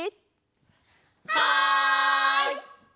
はい！